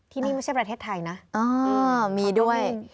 ที่นี่ไม่ใช่ประเทศไทยนะมีด้วย